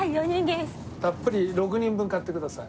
たっぷり６人分買ってください。